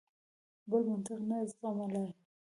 بل منطق نه زغملای.